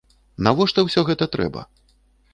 Навошта ўсё гэта трэба?